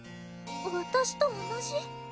私と同じ？